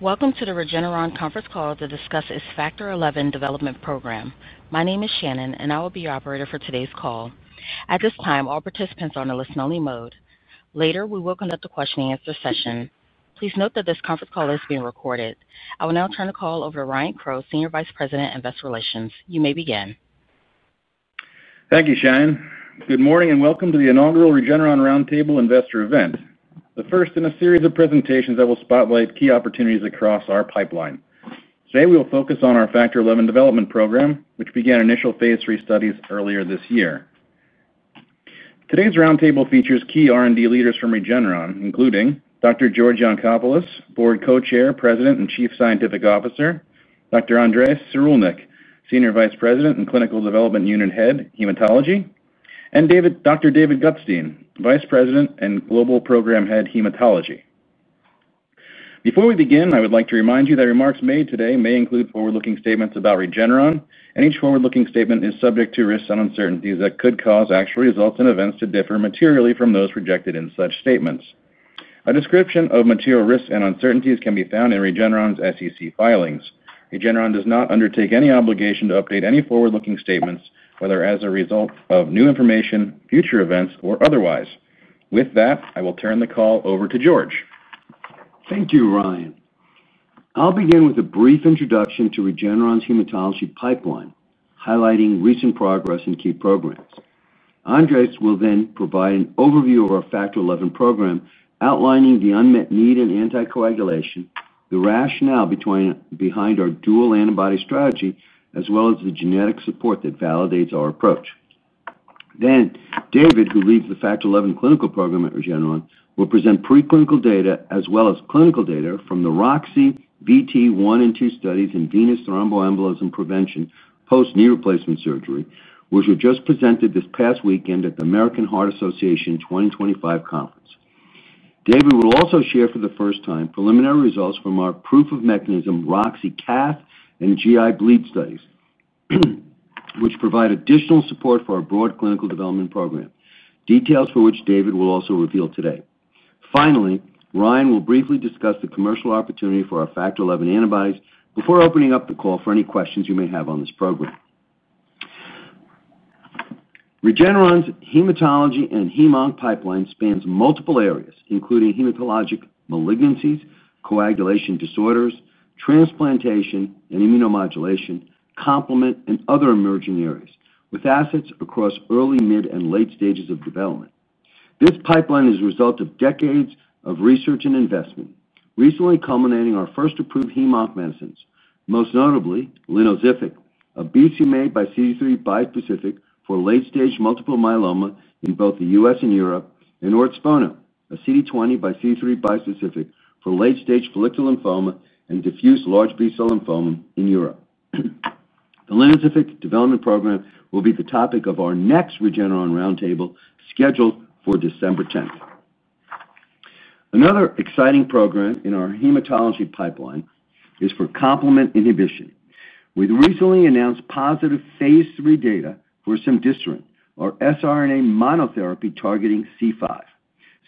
Welcome to the Regeneron conference call to discuss its Factor XI Development Program. My name is Shannon, and I will be your operator for today's call. At this time, all participants are on a listen-only mode. Later, we will conduct a question-and-answer session. Please note that this conference call is being recorded. I will now turn the call over to Ryan Crowe, Senior Vice President, Investor Relations. You may begin. Thank you, Shannon. Good morning and welcome to the inaugural Regeneron Roundtable Investor Event, the first in a series of presentations that will spotlight key opportunities across our pipeline. Today, we will focus on our Factor XI Development Program, which began initial Phase III studies earlier this year. Today's roundtable features key R&D leaders from Regeneron, including Dr. George Yancopoulos, Board Co-Chair, President, and Chief Scientific Officer; Dr. Andreii Cyrulnik, Senior Vice President and Clinical Development Unit Head, Hematology; and Dr. David Gutstein, Vice President and Global Program Head, Hematology. Before we begin, I would like to remind you that remarks made today may include forward-looking statements about Regeneron, and each forward-looking statement is subject to risks and uncertainties that could cause actual results and events to differ materially from those projected in such statements. A description of material risks and uncertainties can be found in Regeneron's SEC filings. Regeneron does not undertake any obligation to update any forward-looking statements, whether as a result of new information, future events, or otherwise. With that, I will turn the call over to George. Thank you, Ryan. I'll begin with a brief introduction to Regeneron's hematology pipeline, highlighting recent progress and key programs. Andreii will then provide an overview of our Factor XI program, outlining the unmet need in anticoagulation, the rationale behind our dual antibody strategy, as well as the genetic support that validates our approach. Then, David, who leads the Factor XI Clinical Program at Regeneron, will present preclinical data as well as clinical data from the ROCCI VTE1 and 2 studies in venous thromboembolism prevention post-knee replacement surgery, which were just presented this past weekend at the American Heart Association 2025 Conference. David will also share for the first time preliminary results from our proof-of-mechanism ROCCI cath and GI bleed studies, which provide additional support for our broad clinical development program, details for which David will also reveal today. Finally, Ryan will briefly discuss the commercial opportunity for our Factor XI antibodies before opening up the call for any questions you may have on this program. Regeneron's hematology and hem-onc pipeline spans multiple areas, including hematologic malignancies, coagulation disorders, transplantation and immunomodulation, complement, and other emerging areas, with assets across early, mid, and late stages of development. This pipeline is the result of decades of research and investment, recently culminating in our first approved hem-onc medicines, most notably Linazific, a BC made by CD3 bispecific for late-stage multiple myeloma in both the US and Europe, and Ortsphono, a CD20 by CD3 bispecific for late-stage follicular lymphoma and diffuse large B-cell lymphoma in Europe. The Linazific development program will be the topic of our next Regeneron Roundtable, scheduled for December 10th. Another exCiting program in our hematology pipeline is for complement inhibition. We recently announced positive phase III data for cemdisiran, our siRNA monotherapy targeting C5.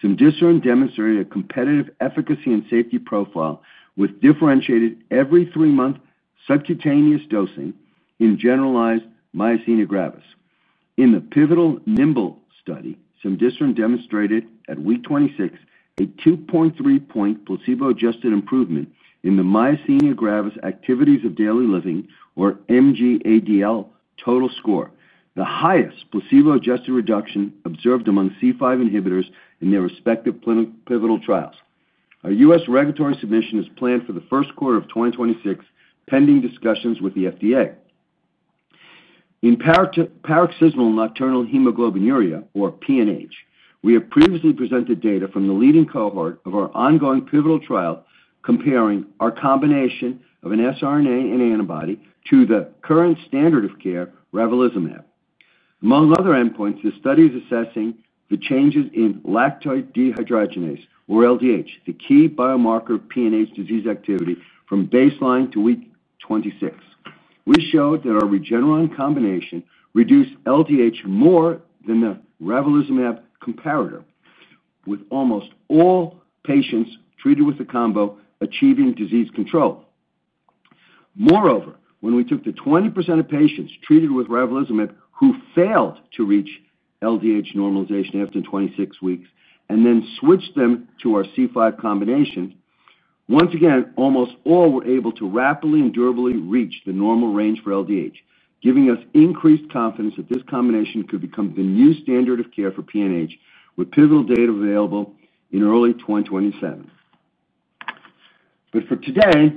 Cemdisiran demonstrated a competitive efficacy and safety profile with differentiated every three-month subcutaneous dosing in generalized myasthenia gravis. In the pivotal NIMBL study, cemdisiran demonstrated at week 26 a 2.3-point placebo-adjusted improvement in the myasthenia gravis activities of daily living, or MGADL, total score, the highest placebo-adjusted reduction observed among C5 inhibitors in their respective pivotal trials. Our U.S. regulatory submission is planned for the first quarter of 2026, pending discussions with the FDA. In paroxysmal nocturnal hemoglobinuria, or PNH, we have previously presented data from the leading cohort of our ongoing pivotal trial comparing our combination of an siRNA and antibody to the current standard of care, eculizumab. Among other endpoints, the study is assessing the changes in lactate dehydrogenase, or LDH, the key biomarker of PNH disease activity from baseline to week 26. We showed that our Regeneron combination reduced LDH more than the eculizumab comparator, with almost all patients treated with the combo achieving disease control. Moreover, when we took the 20% of patients treated with eculizumab who failed to reach LDH normalization after 26 weeks and then switched them to our C5 combination, once again, almost all were able to rapidly and durably reach the normal range for LDH, giving us increased confidence that this combination could become the new standard of care for PNH, with pivotal data available in early 2027. For today,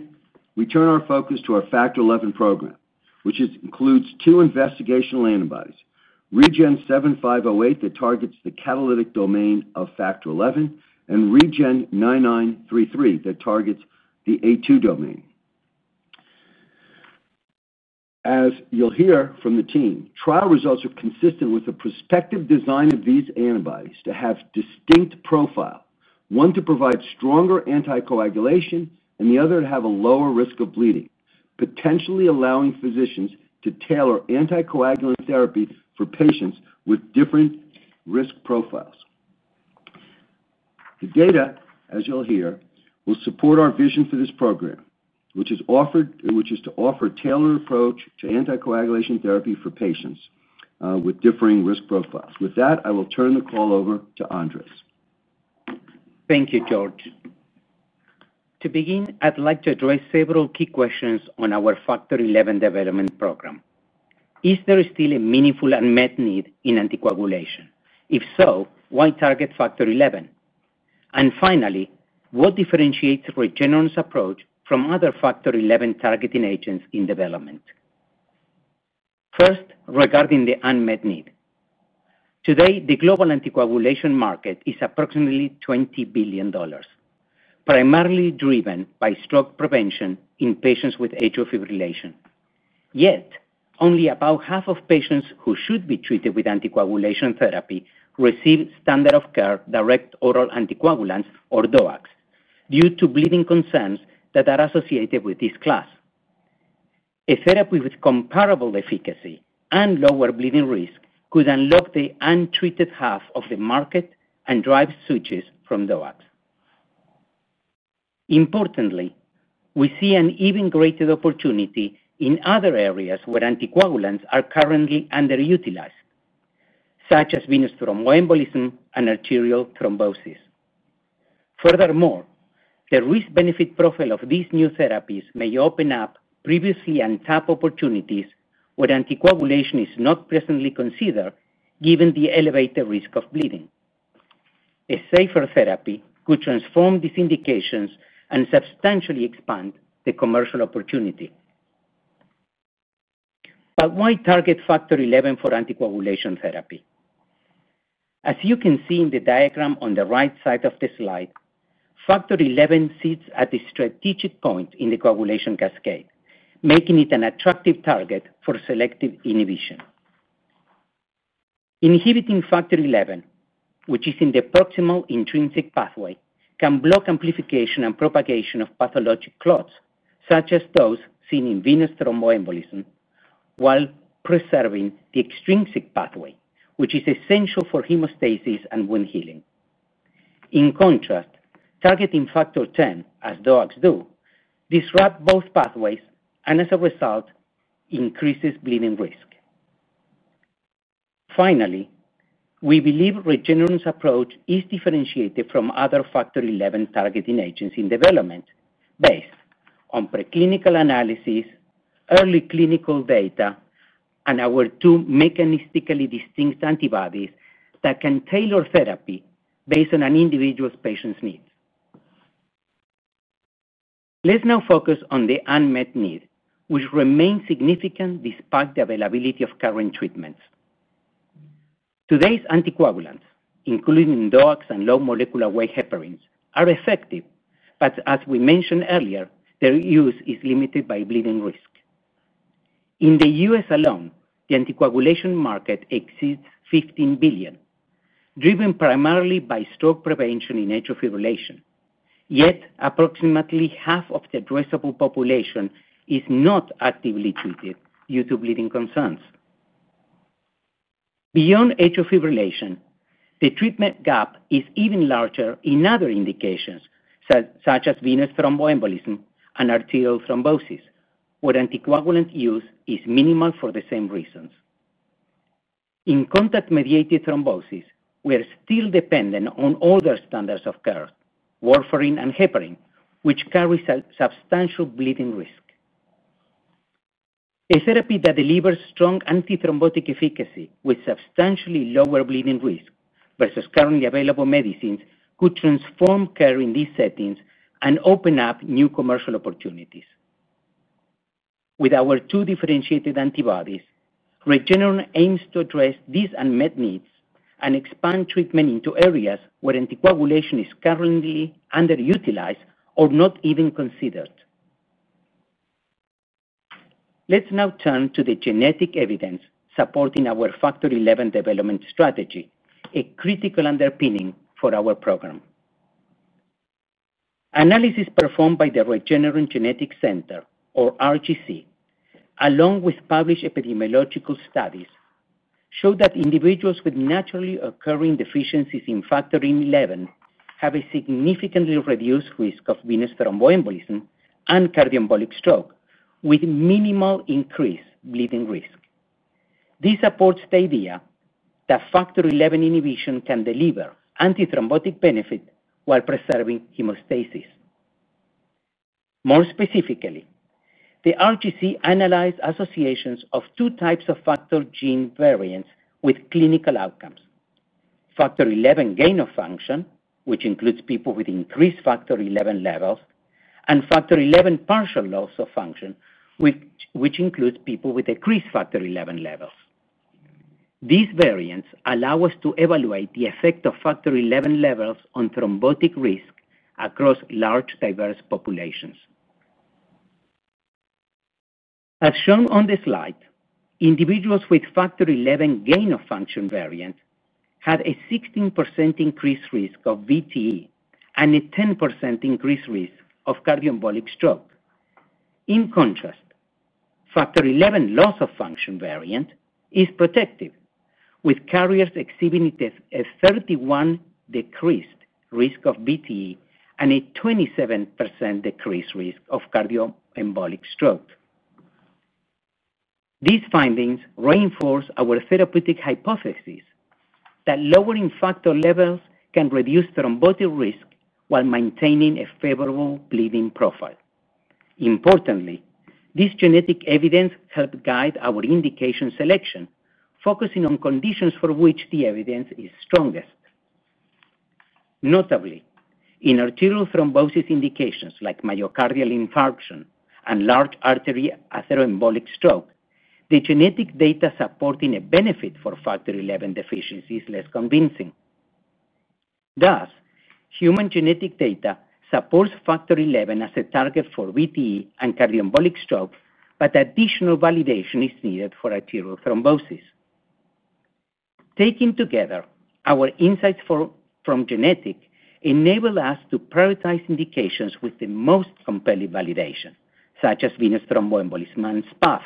we turn our focus to our Factor XI program, which includes two investigational antibodies: REGN7508 that targets the catalytic domain of Factor XI, and REGN9933 that targets the A2 domain. As you'll hear from the team, trial results are consistent with the prospective design of these antibodies to have distinct profiles, one to provide stronger anticoagulation and the other to have a lower risk of bleeding, potentially allowing physicians to tailor anticoagulant therapy for patients with different risk profiles. The data, as you'll hear, will support our vision for this program, which is to offer a tailored approach to anticoagulation therapy for patients with differing risk profiles. With that, I will turn the call over to Andreii. Thank you, George. To begin, I'd like to address several key questions on our Factor XI development program. Is there still a meaningful unmet need in anticoagulation? If so, why target Factor XI? Finally, what differentiates Regeneron's approach from other Factor XI targeting agents in development? First, regarding the unmet need. Today, the global anticoagulation market is approximately $20 billion, primarily driven by stroke prevention in patients with atrial fibrillation. Yet, only about half of patients who should be treated with anticoagulation therapy receive standard-of-care direct oral anticoagulants, or DOACs, due to bleeding concerns that are associated with this class. A therapy with comparable efficacy and lower bleeding risk could unlock the untreated half of the market and drive switches from DOACs. Importantly, we see an even greater opportunity in other areas where anticoagulants are currently underutilized, such as venous thromboembolism and arterial thrombosis. Furthermore, the risk-benefit profile of these new therapies may open up previously untapped opportunities where anticoagulation is not presently considered, given the elevated risk of bleeding. A safer therapy could transform these indications and substantially expand the commercial opportunity. But why target Factor XI for anticoagulation therapy? As you can see in the diagram on the right side of the slide, Factor XI sits at a strategic point in the coagulation cascade, making it an attractive target for selective inhibition. Inhibiting Factor XI, which is in the proximal intrinsic pathway, can block amplification and propagation of pathologic clots, such as those seen in venous thromboembolism, while preserving the extrinsic pathway, which is essential for hemostasis and wound healing. In contrast, targeting Factor X, as DOACs do, disrupts both pathways and, as a result, increases bleeding risk. Finally, we believe Regeneron's approach is differentiated from other Factor XI targeting agents in development based on preclinical analysis, early clinical data, and our two mechanistically distinct antibodies that can tailor therapy based on an individual's patient's needs. Let's now focus on the unmet need, which remains significant despite the availability of current treatments. Today's anticoagulants, including DOACs and low-molecular-weight heparins, are effective, but as we mentioned earlier, their use is limited by bleeding risk. In the US alone, the anticoagulation market exceeds $15 billion, driven primarily by stroke prevention in atrial fibrillation. Yet, approximately half of the addressable population is not actively treated due to bleeding concerns. Beyond atrial fibrillation, the treatment gap is even larger in other indications, such as venous thromboembolism and arterial thrombosis, where anticoagulant use is minimal for the same reasons. In contact-mediated thrombosis, we are still dependent on older standards of care, warfarin and heparin, which carry substantial bleeding risk. A therapy that delivers strong anti-thrombotic efficacy with substantially lower bleeding risk versus currently available medicines could transform care in these settings and open up new commercial opportunities. With our two differentiated antibodies, Regeneron aims to address these unmet needs and expand treatment into areas where anticoagulation is currently underutilized or not even considered. Let's now turn to the genetic evidence supporting our Factor XI development strategy, a critical underpinning for our program. Analysis performed by the Regeneron Genetics Center, or RGC, along with published epidemiological studies, showed that individuals with naturally occurring deficiencies in Factor XI have a significantly reduced risk of venous thromboembolism and cardioembolic stroke, with minimal increased bleeding risk. This supports the idea that Factor XI inhibition can deliver anti-thrombotic benefit while preserving hemostasis. More specifically, the RGC analyzed associations of two types of factor gene variants with clinical outcomes: Factor XI gain of function, which includes people with increased Factor XI levels, and Factor XI partial loss of function, which includes people with decreased Factor XI levels. These variants allow us to evaluate the effect of Factor XI levels on thrombotic risk across large, diverse populations. As shown on the slide, individuals with Factor XI gain of function variant had a 16% increased risk of VTE and a 10% increased risk of cardioembolic stroke. In contrast, Factor XI loss of function variant is protective, with carriers exhibiting a 31% decreased risk of VTE and a 27% decreased risk of cardioembolic stroke. These findings reinforce our therapeutic hypothesis that lowering factor levels can reduce thrombotic risk while maintaining a favorable bleeding profile. Importantly, this genetic evidence helped guide our indication selection, focusing on conditions for which the evidence is strongest. Notably, in arterial thrombosis indications like myocardial infarction and large artery atherosclerotic stroke, the genetic data supporting a benefit for Factor XI deficiency is less convincing. Thus, human genetic data supports Factor XI as a target for VTE and cardioembolic stroke, but additional validation is needed for arterial thrombosis. Taken together, our insights from genetic enable us to prioritize indications with the most compelling validation, such as venous thromboembolism and SPAF,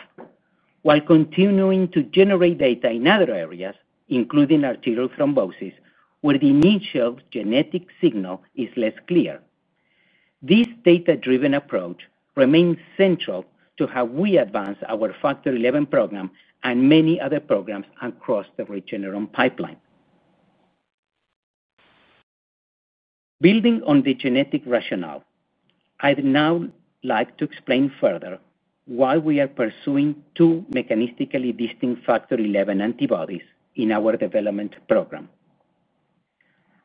while continuing to generate data in other areas, including arterial thrombosis, where the initial genetic signal is less clear. This data-driven approach remains central to how we advance our Factor XI program and many other programs across the Regeneron pipeline. Building on the genetic rationale, I'd now like to explain further why we are pursuing two mechanistically distinct Factor XI antibodies in our development program.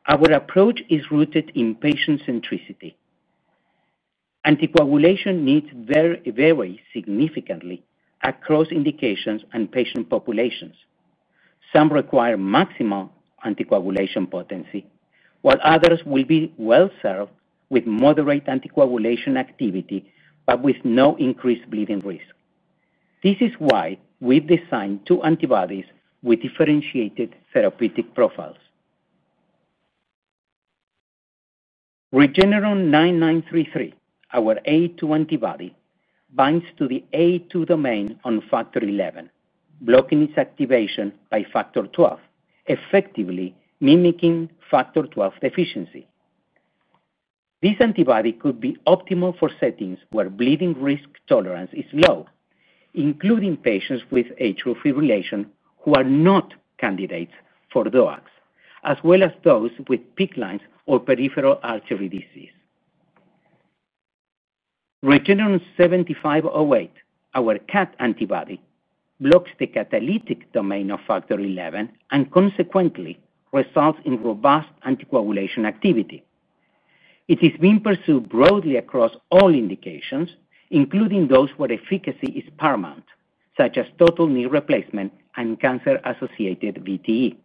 Our approach is rooted in patient centricity. Anticoagulation needs vary significantly across indications and patient populations. Some require maximal anticoagulation potency, while others will be well-served with moderate anticoagulation activity but with no increased bleeding risk. This is why we've designed two antibodies with differentiated therapeutic profiles. Regeneron 9933, our A2 antibody, binds to the A2 domain on Factor XI, blocking its activation by Factor XII, effectively mimicking Factor XII deficiency. This antibody could be optimal for settings where bleeding risk tolerance is low, including patients with atrial fibrillation who are not candidates for DOACs, as well as those with PICC lines or peripheral artery disease. Regeneron 7508, our CAT antibody, blocks the catalytic domain of Factor XI and consequently results in robust anticoagulation activity. It is being pursued broadly across all indications, including those where efficacy is paramount, such as total knee replacement and cancer-associated VTE.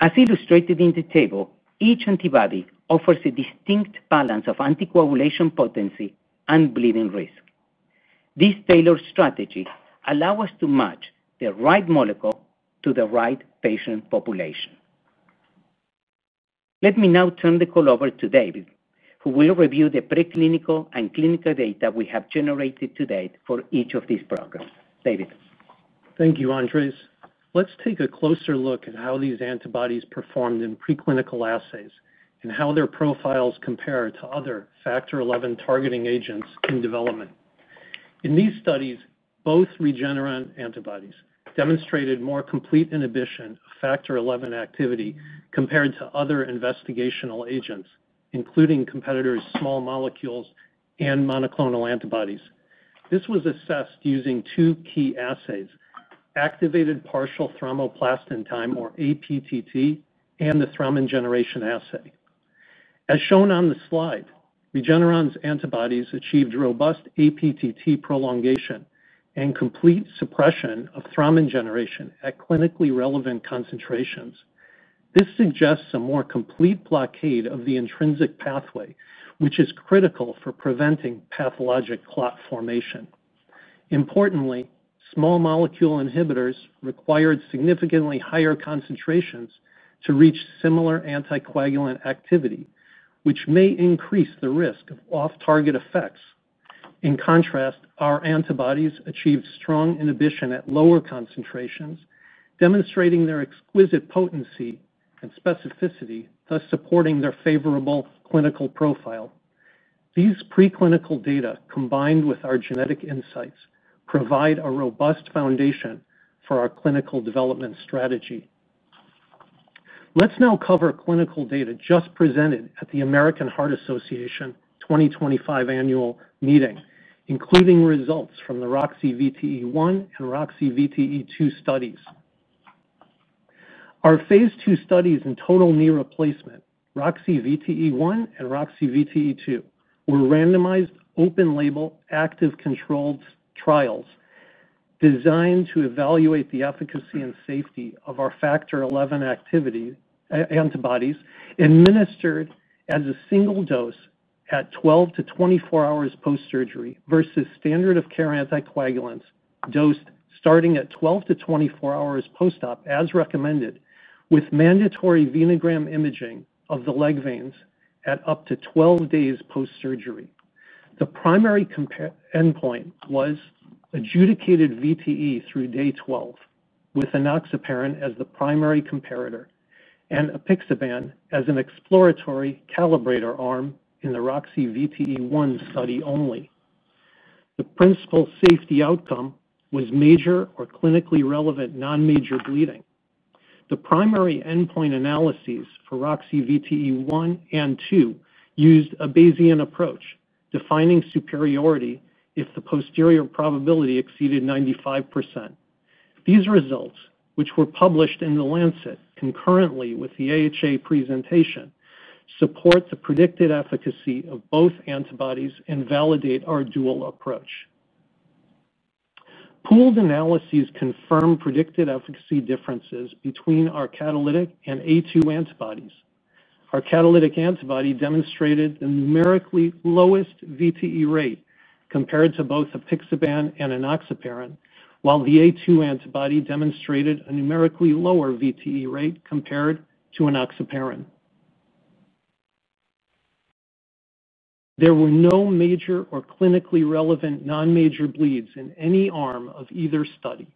As illustrated in the table, each antibody offers a distinct balance of anticoagulation potency and bleeding risk. This tailored strategy allows us to match the right molecule to the right patient population. Let me now turn the call over to David, who will review the preclinical and clinical data we have generated to date for each of these programs. David. Thank you, Andreii. Let's take a closer look at how these antibodies performed in preclinical assays and how their profiles compare to other Factor XI targeting agents in development. In these studies, both Regeneron antibodies demonstrated more complete inhibition of Factor XI activity compared to other investigational agents, including competitors' small molecules and monoclonal antibodies. This was assessed using two key assays: activated partial thromboplastin time, or APTT, and the thrombin generation assay. As shown on the slide, Regeneron's antibodies achieved robust APTT prolongation and complete suppression of thrombin generation at clinically relevant concentrations. This suggests a more complete blockade of the intrinsic pathway, which is critical for preventing pathologic clot formation. Importantly, small molecule inhibitors required significantly higher concentrations to reach similar anticoagulant activity, which may increase the risk of off-target effects. In contrast, our antibodies achieved strong inhibition at lower concentrations, demonstrating their exquisite potency and specificity, thus supporting their favorable clinical profile. These preclinical data, combined with our genetic insights, provide a robust foundation for our clinical development strategy. Let's now cover clinical data just presented at the American Heart Association 2025 annual meeting, including results from the ROCCI VTE1 and ROCCI VTE2 studies. Our phase two studies in total knee replacement, ROCCI VTE1 and ROCCI VTE2, were randomized open-label active-controlled trials designed to evaluate the efficacy and safety of our Factor XI antibodies, administered as a single dose at 12 to 24 hours post-surgery versus standard-of-care anticoagulants dosed starting at 12 to 24 hours post-op as recommended, with mandatory venogram imaging of the leg veins at up to 12 days post-surgery. The primary endpoint was adjudicated VTE through day 12, with enenoxaparin as the primary comparator and apixaban as an exploratory calibrator arm in the ROCCI VTE1 study only. The principal safety outcome was major or clinically relevant non-major bleeding. The primary endpoint analyses for ROCCI VTE1 and 2 used a Bayesian approach, defining superiority if the posterior probability exceeded 95%. These results, which were published in The Lancet concurrently with the AHA presentation, support the predicted efficacy of both antibodies and validate our dual approach. Pooled analyses confirmed predicted efficacy differences between our catalytic and A2 antibodies. Our catalytic antibody demonstrated the numerically lowest VTE rate compared to both apixaban and enenoxaparin, while the A2 antibody demonstrated a numerically lower VTE rate compared to enenoxaparin. There were no major or clinically relevant non-major bleeds in any arm of either study.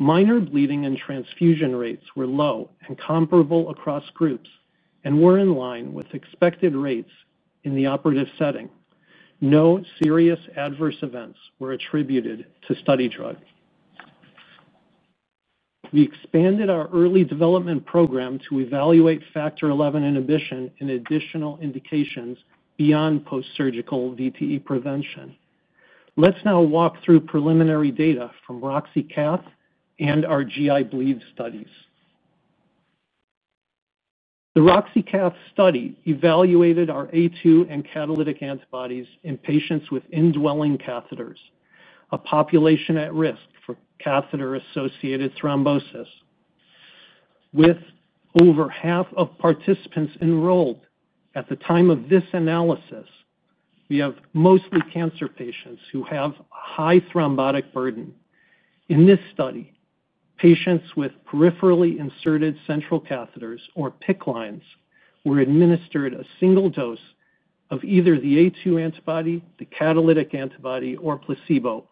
Minor bleeding and transfusion rates were low and comparable across groups and were in line with expected rates in the operative setting. No serious adverse events were attributed to study drug. We expanded our early development program to evaluate Factor XI inhibition in additional indications beyond post-surgical VTE prevention. Let's now walk through preliminary data from ROCCI CAPH and our GI bleed studies. The ROCCI CAPH study evaluated our A2 and catalytic antibodies in patients with indwelling catheters, a population at risk for catheter-associated thrombosis. With over half of participants enrolled at the time of this analysis, we have mostly cancer patients who have a high thrombotic burden. In this study, patients with peripherally inserted central catheters or PICC lines were administered a single dose of either the A2 antibody, the catalytic antibody, or placebo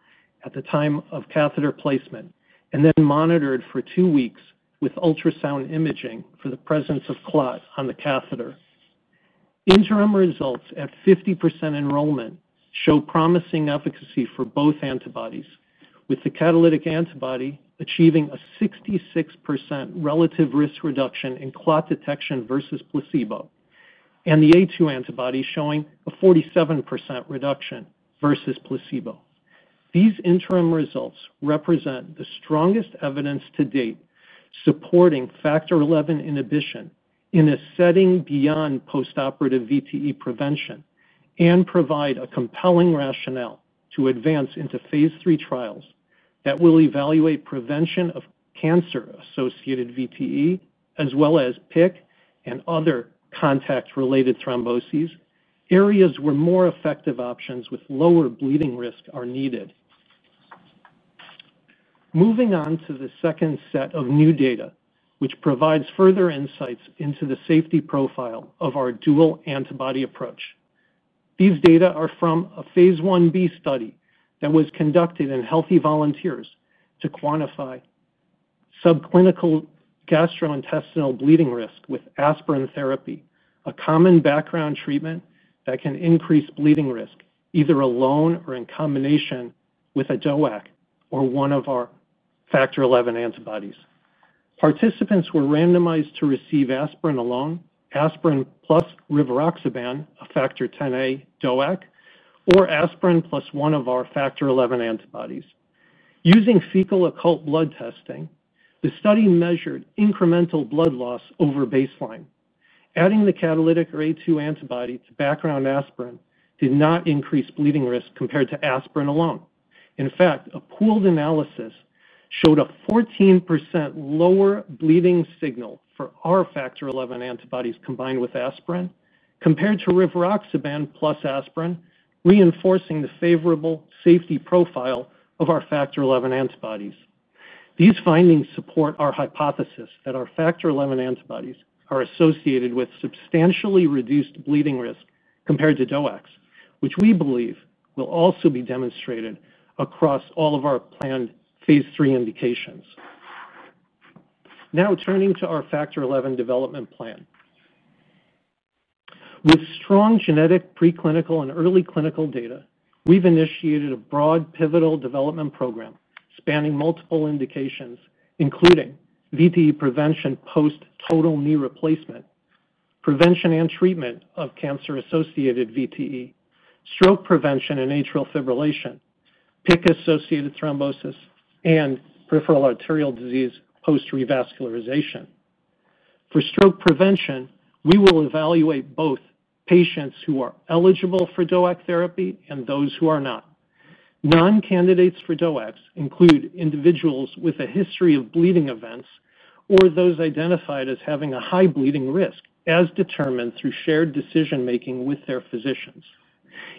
at the time of catheter placement and then monitored for two weeks with ultrasound imaging for the presence of clot on the catheter. Interim results at 50% enrollment show promising efficacy for both antibodies, with the catalytic antibody achieving a 66% relative risk reduction in clot detection versus placebo, and the A2 antibody showing a 47% reduction versus placebo. These interim results represent the strongest evidence to date supporting Factor XI inhibition in a setting beyond post-operative VTE prevention and provide a compelling rationale to advance into phase three trials that will evaluate prevention of cancer-associated VTE, as well as PICC and other contact-related thromboses, areas where more effective options with lower bleeding risk are needed. Moving on to the second set of new data, which provides further insights into the safety profile of our dual antibody approach. These data are from a phase one B study that was conducted in healthy volunteers to quantify subclinical gastrointestinal bleeding risk with aspirin therapy, a common background treatment that can increase bleeding risk either alone or in combination with a DOAC or one of our Factor XI antibodies. Participants were randomized to receive aspirin alone, aspirin plus rivaroxaban, a Factor Xa DOAC, or aspirin plus one of our Factor XI antibodies. Using fecal occult blood testing, the study measured incremental blood loss over baseline. Adding the catalytic or A2 antibody to background aspirin did not increase bleeding risk compared to aspirin alone. In fact, a pooled analysis showed a 14% lower bleeding signal for our Factor XI antibodies combined with aspirin compared to rivaroxaban plus aspirin, reinforcing the favorable safety profile of our Factor XI antibodies. These findings support our hypothesis that our Factor XI antibodies are associated with substantially reduced bleeding risk compared to DOACs, which we believe will also be demonstrated across all of our planned phase three indications. Now turning to our Factor XI development plan. With strong genetic preclinical and early clinical data, we've initiated a broad pivotal development program spanning multiple indications, including VTE prevention post total knee replacement, prevention and treatment of cancer-associated VTE, stroke prevention and atrial fibrillation, PICC-associated thrombosis, and peripheral arterial disease post-revascularization. For stroke prevention, we will evaluate both patients who are eligible for DOAC therapy and those who are not. Non-candidates for DOACs include individuals with a history of bleeding events or those identified as having a high bleeding risk, as determined through shared decision-making with their physicians.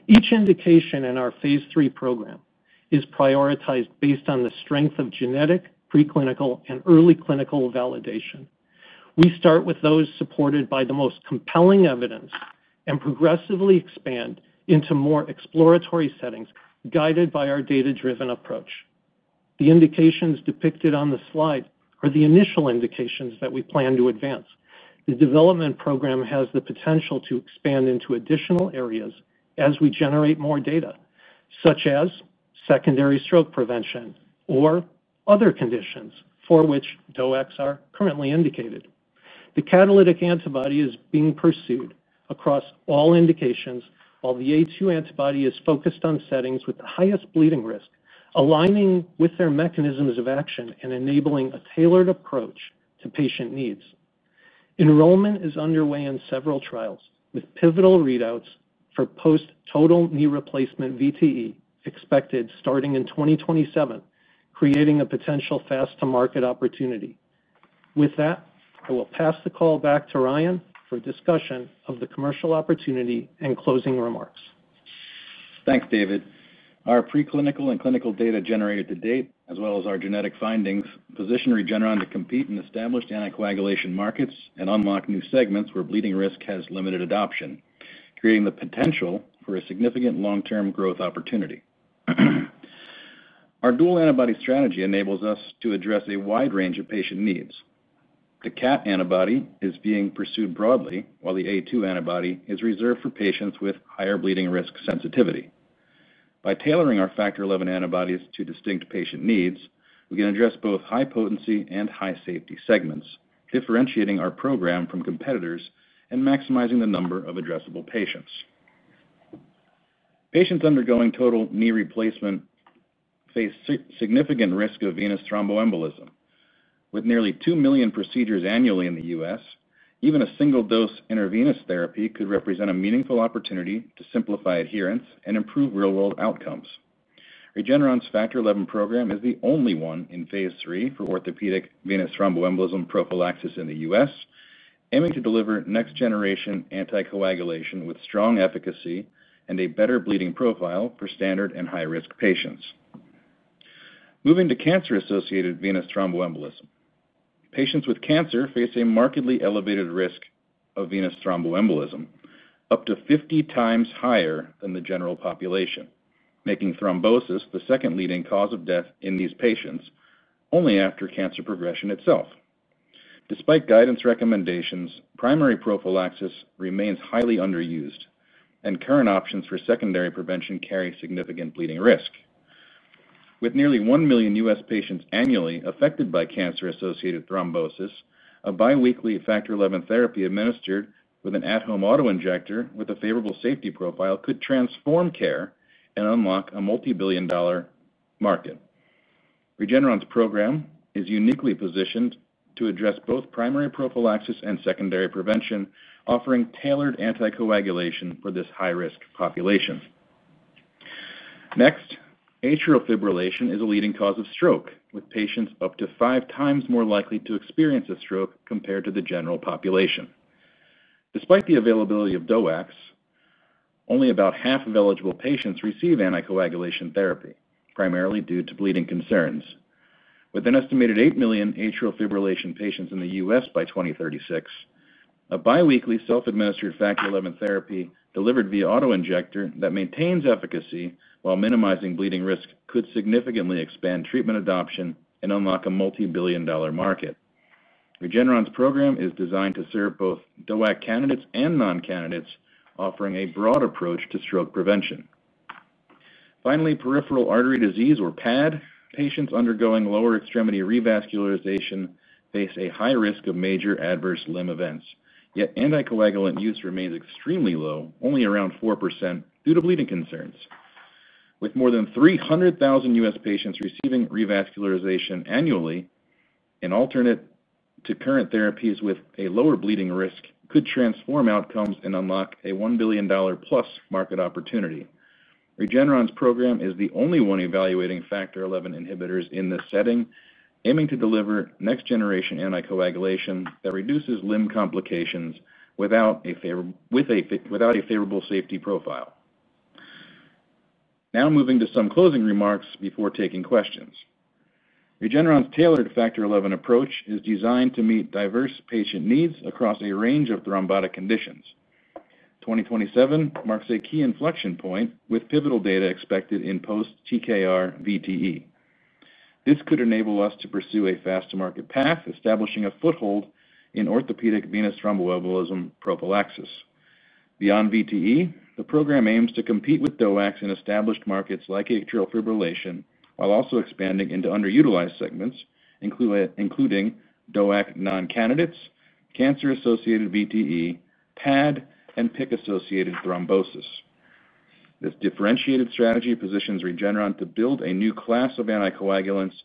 Each indication in our phase three program is prioritized based on the strength of genetic, preclinical, and early clinical validation. We start with those supported by the most compelling evidence and progressively expand into more exploratory settings guided by our data-driven approach. The indications depicted on the slide are the initial indications that we plan to advance. The development program has the potential to expand into additional areas as we generate more data, such as secondary stroke prevention or other conditions for which DOACs are currently indicated. The catalytic antibody is being pursued across all indications, while the A2 antibody is focused on settings with the highest bleeding risk, aligning with their mechanisms of action and enabling a tailored approach to patient needs. Enrollment is underway in several trials with pivotal readouts for post-total knee replacement VTE expected starting in 2027, creating a potential fast-to-market opportunity. With that, I will pass the call back to Ryan for discussion of the commercial opportunity and closing remarks. Thanks, David. Our preclinical and clinical data generated to date, as well as our genetic findings, position Regeneron to compete in established anticoagulation markets and unlock new segments where bleeding risk has limited adoption, creating the potential for a significant long-term growth opportunity. Our dual antibody strategy enables us to address a wide range of patient needs. The CAT antibody is being pursued broadly, while the A2 antibody is reserved for patients with higher bleeding risk sensitivity. By tailoring our Factor XI antibodies to distinct patient needs, we can address both high potency and high safety segments, differentiating our program from competitors and maximizing the number of addressable patients. Patients undergoing total knee replacement face significant risk of venous thromboembolism. With nearly 2 million procedures annually in the US, even a single dose intravenous therapy could represent a meaningful opportunity to simplify adherence and improve real-world outcomes. Regeneron's Factor XI program is the only one in phase three for orthopedic venous thromboembolism prophylaxis in the US, aiming to deliver next-generation anticoagulation with strong efficacy and a better bleeding profile for standard and high-risk patients. Moving to cancer-associated venous thromboembolism. Patients with cancer face a markedly elevated risk of venous thromboembolism, up to 50 times higher than the general population, making thrombosis the second leading cause of death in these patients only after cancer progression itself. Despite guidance recommendations, primary prophylaxis remains highly underused, and current options for secondary prevention carry significant bleeding risk. With nearly 1 million US patients annually affected by cancer-associated thrombosis, a biweekly Factor XI therapy administered with an at-home auto injector with a favorable safety profile could transform care and unlock a multi-billion dollar market. Regeneron's program is uniquely positioned to address both primary prophylaxis and secondary prevention, offering tailored anticoagulation for this high-risk population. Next, atrial fibrillation is a leading cause of stroke, with patients up to five times more likely to experience a stroke compared to the general population. Despite the availability of DOACs, only about half of eligible patients receive anticoagulation therapy, primarily due to bleeding concerns. With an estimated 8 million atrial fibrillation patients in the US by 2036, a biweekly self-administered Factor XI therapy delivered via auto injector that maintains efficacy while minimizing bleeding risk could significantly expand treatment adoption and unlock a multi-billion dollar market. Regeneron's program is designed to serve both DOAC candidates and non-candidates, offering a broad approach to stroke prevention. Finally, peripheral artery disease, or PAD, patients undergoing lower extremity revascularization face a high risk of major adverse limb events. Yet anticoagulant use remains extremely low, only around 4% due to bleeding concerns. With more than 300,000 US patients receiving revascularization annually, in alternate to current therapies with a lower bleeding risk, could transform outcomes and unlock a 1 billion dollar plus market opportunity. Regeneron's program is the only one evaluating Factor XI inhibitors in this setting, aiming to deliver next-generation anticoagulation that reduces limb complications without a favorable safety profile. Now moving to some closing remarks before taking questions. Regeneron's tailored Factor XI approach is designed to meet diverse patient needs across a range of thrombotic conditions. 2027 marks a key inflection point with pivotal data expected in post-TKR VTE. This could enable us to pursue a fast-to-market path, establishing a foothold in orthopedic venous thromboembolism prophylaxis. Beyond VTE, the program aims to compete with DOACs in established markets like atrial fibrillation, while also expanding into underutilized segments, including DOAC non-candidates, cancer-associated VTE, PAD, and PICC-associated thrombosis. This differentiated strategy positions Regeneron to build a new class of anticoagulants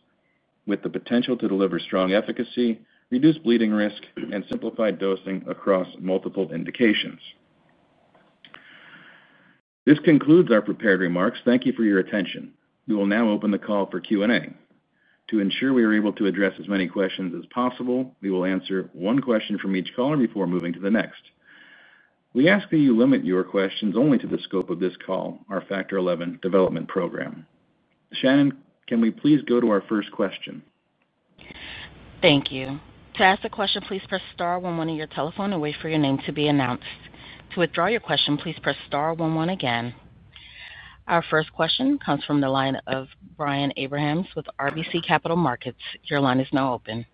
with the potential to deliver strong efficacy, reduce bleeding risk, and simplify dosing across multiple indications. This concludes our prepared remarks. Thank you for your attention. We will now open the call for Q&A. To ensure we are able to address as many questions as possible, we will answer one question from each caller before moving to the next. We ask that you limit your questions only to the scope of this call, our Factor XI development program. Shannon, can we please go to our first question? Thank you. To ask a question, please press star 11 on your telephone and wait for your name to be announced. To withdraw your question, please press star 11 again. Our first question comes from the line of Brian Abrahams with RBC Capital Markets. Your line is now open.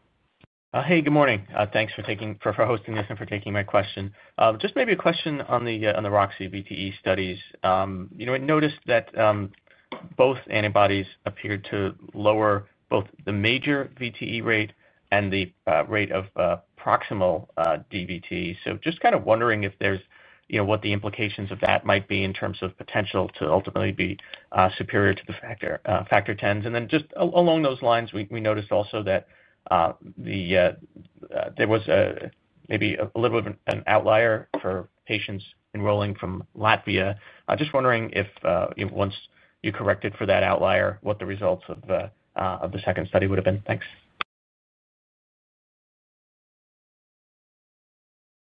Hey, good morning. Thanks for hosting this and for taking my question. Just maybe a question on the ROCCI VTE studies. We noticed that both antibodies appeared to lower both the major VTE rate and the rate of proximal DVT. So just kind of wondering if there's what the implications of that might be in terms of potential to ultimately be superior to the Factor X. And then just along those lines, we noticed also that there was maybe a little bit of an outlier for patients enrolling from Latvia. Just wondering if once you corrected for that outlier, what the results of the second study would have been. Thanks.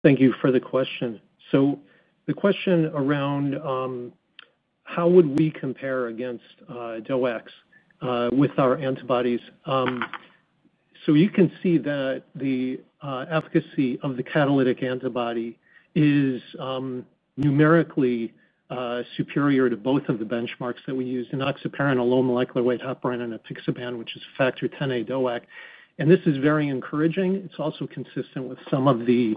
Thank you for the question. So the question around how would we compare against DOACs with our antibodies. So you can see that the efficacy of the catalytic antibody is numerically superior to both of the benchmarks that we use: enenoxaparin alone, molecular weight heparin, and apixaban, which is Factor Xa DOAC. And this is very encouraging. It's also consistent with some of the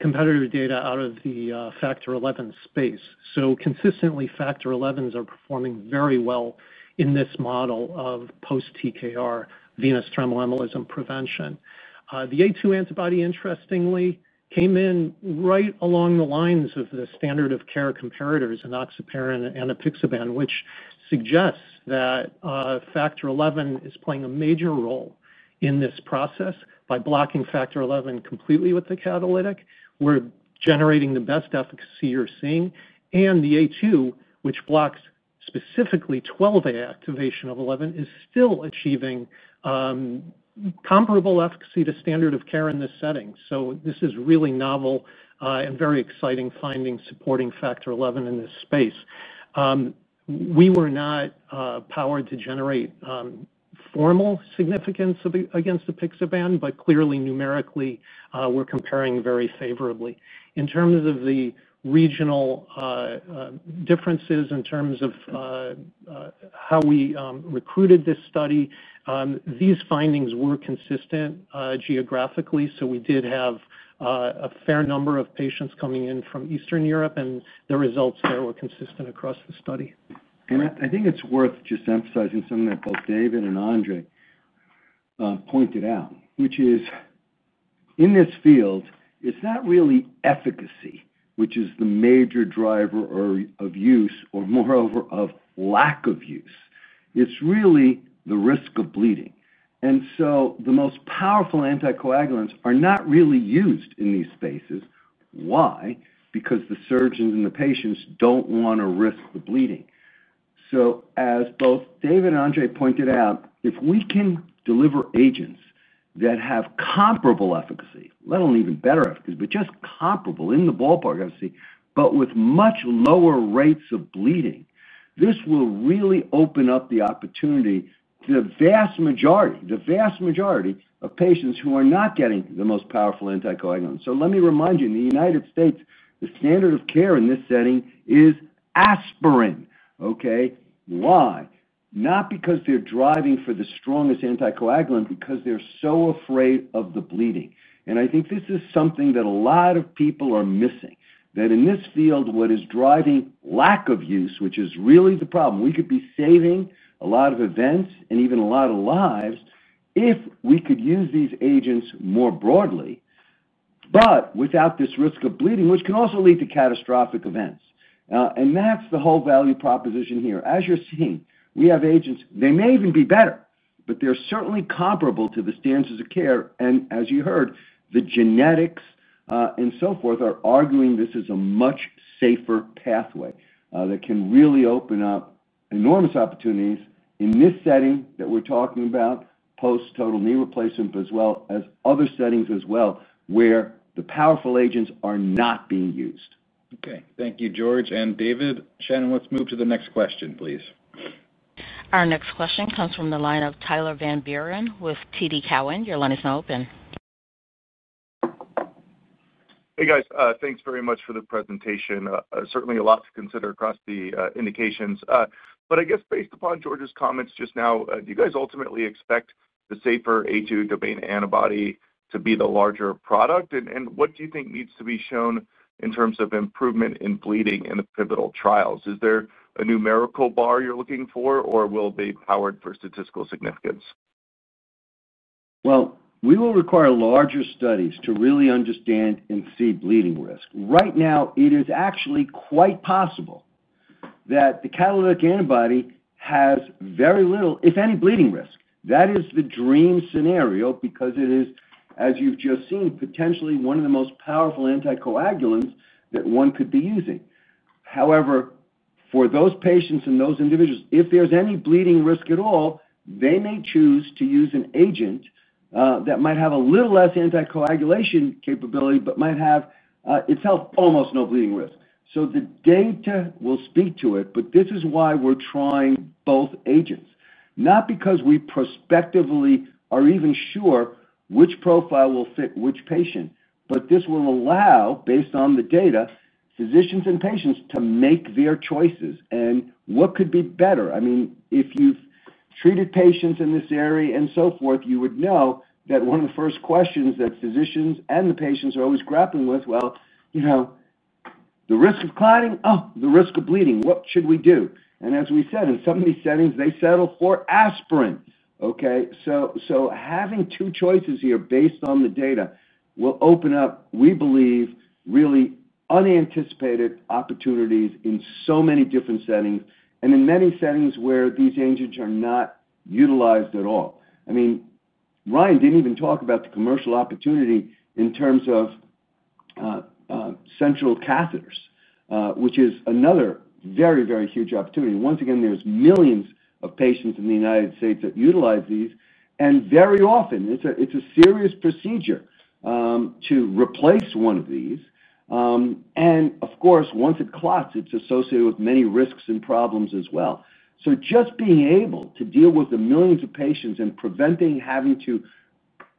competitor data out of the Factor XI space. So consistently, Factor XIs are performing very well in this model of post-TKR venous thromboembolism prevention. The A2 antibody, interestingly, came in right along the lines of the standard of care comparators, enenoxaparin and apixaban, which suggests that Factor XI is playing a major role in this process. By blocking Factor XI completely with the catalytic, we're generating the best efficacy you're seeing. And the A2, which blocks specifically 12A activation of XI, is still achieving comparable efficacy to standard of care in this setting. So this is really novel and very exCiting findings supporting Factor XI in this space. We were not powered to generate formal significance against apixaban, but clearly numerically, we're comparing very favorably. In terms of the regional differences, in terms of how we recruited this study, these findings were consistent geographically. So we did have a fair number of patients coming in from Eastern Europe, and the results there were consistent across the study. And I think it's worth just emphasizing something that both David and Andrei pointed out, which is in this field, it's not really efficacy, which is the major driver of use or moreover of lack of use. It's really the risk of bleeding. And so the most powerful anticoagulants are not really used in these spaces. Why? Because the surgeons and the patients don't want to risk the bleeding. So as both David and Andrei pointed out, if we can deliver agents that have comparable efficacy, let alone even better efficacy, but just comparable in the ballpark efficacy, but with much lower rates of bleeding, this will really open up the opportunity to the vast majority, the vast majority of patients who are not getting the most powerful anticoagulants. So let me remind you, in the United States, the standard of care in this setting is aspirin. Okay? Why? Not because they're driving for the strongest anticoagulant, because they're so afraid of the bleeding. And I think this is something that a lot of people are missing, that in this field, what is driving lack of use, which is really the problem. We could be saving a lot of events and even a lot of lives if we could use these agents more broadly, but without this risk of bleeding, which can also lead to catastrophic events. And that's the whole value proposition here. As you're seeing, we have agents. They may even be better, but they're certainly comparable to the standards of care. And as you heard, the genetics and so forth are arguing this is a much safer pathway that can really open up enormous opportunities in this setting that we're talking about, post-total knee replacement, as well as other settings as well where the powerful agents are not being used. Okay. Thank you, George and David. Shannon, let's move to the next question, please. Our next question comes from the line of Tyler Van Buren with TD Cowen. Your line is now open. Hey, guys. Thanks very much for the presentation. Certainly a lot to consider across the indications. But I guess based upon George's comments just now, do you guys ultimately expect the safer A2 domain antibody to be the larger product? And what do you think needs to be shown in terms of improvement in bleeding in the pivotal trials? Is there a numerical bar you're looking for, or will they be powered for statistical significance? Well, we will require larger studies to really understand and see bleeding risk. Right now, it is actually quite possible that the catalytic antibody has very little, if any, bleeding risk. That is the dream scenario because it is, as you've just seen, potentially one of the most powerful anticoagulants that one could be using. However, for those patients and those individuals, if there's any bleeding risk at all, they may choose to use an agent that might have a little less anticoagulation capability, but might have itself almost no bleeding risk. So the data will speak to it, but this is why we're trying both agents. Not because we prospectively are even sure which profile will fit which patient, but this will allow, based on the data, physicians and patients to make their choices. And what could be better? I mean, if you've treated patients in this area and so forth, you would know that one of the first questions that physicians and the patients are always grappling with, well, the risk of clotting, oh, the risk of bleeding, what should we do? And as we said, in some of these settings, they settle for aspirin. Okay? So having two choices here based on the data will open up, we believe, really unanticipated opportunities in so many different settings and in many settings where these agents are not utilized at all. I mean, Ryan didn't even talk about the commercial opportunity in terms of central catheters, which is another very, very huge opportunity. Once again, there's millions of patients in the United States that utilize these. And very often, it's a serious procedure to replace one of these. And of course, once it clots, it's associated with many risks and problems as well. So just being able to deal with the millions of patients and preventing having to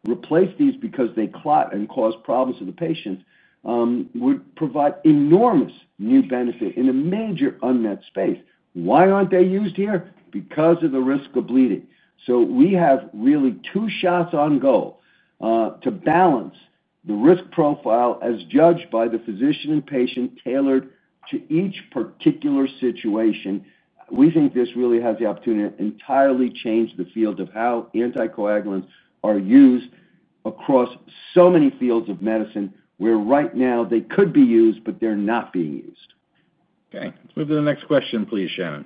replace these because they clot and cause problems to the patients would provide enormous new benefit in a major unmet space. Why aren't they used here? Because of the risk of bleeding. So we have really two shots on goal to balance the risk profile as judged by the physician and patient tailored to each particular situation. We think this really has the opportunity to entirely change the field of how anticoagulants are used across so many fields of medicine where right now they could be used, but they're not being used. Okay. Let's move to the next question, please, Shannon.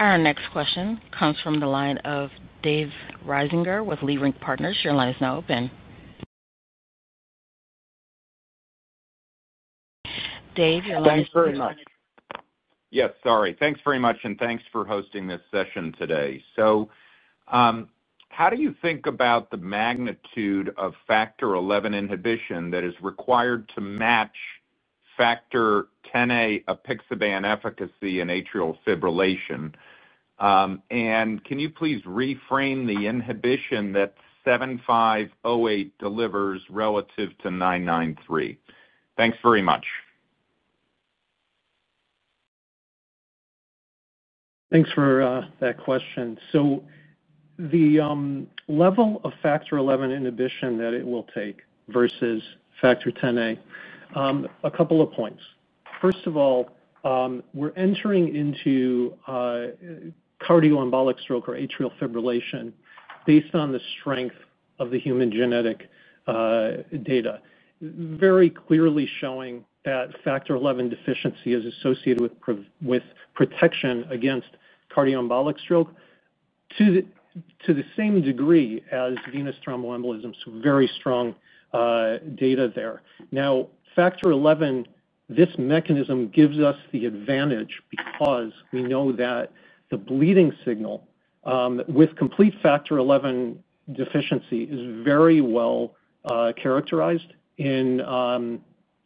Our next question comes from the line of Dave Reisinger with Leerink Partners. Your line is now open. Dave, your line is now open. Thanks very much. Yes, sorry. Thanks very much, and thanks for hosting this session today. So how do you think about the magnitude of Factor XI inhibition that is required to match Factor Xa apixaban efficacy in atrial fibrillation? And can you please reframe the inhibition that 7508 delivers relative to 993? Thanks very much. Thanks for that question. So the level of Factor XI inhibition that it will take versus Factor Xa, a couple of points. First of all, we're entering into cardioembolic stroke or atrial fibrillation based on the strength of the human genetic data, very clearly showing that Factor XI deficiency is associated with protection against cardioembolic stroke to the same degree as venous thromboembolism. So very strong data there. Now, Factor XI, this mechanism gives us the advantage because we know that the bleeding signal with complete Factor XI deficiency is very well characterized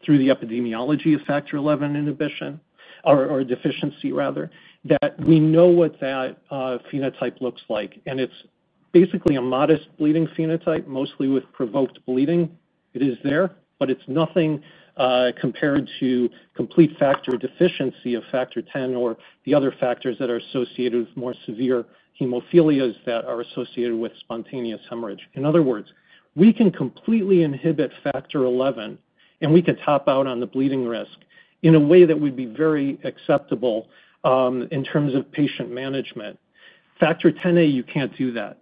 through the epidemiology of Factor XI inhibition or deficiency, rather, that we know what that phenotype looks like. And it's basically a modest bleeding phenotype, mostly with provoked bleeding. It is there, but it's nothing compared to complete Factor XI deficiency of Factor X or the other factors that are associated with more severe hemophilias that are associated with spontaneous hemorrhage. In other words, we can completely inhibit Factor XI, and we can top out on the bleeding risk in a way that would be very acceptable in terms of patient management. Factor Xa, you can't do that.